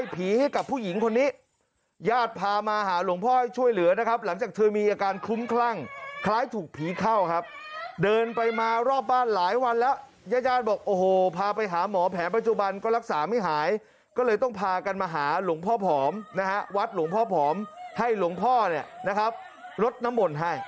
ไปหาพระที่วัดหลวงพ่อผอมนะครับ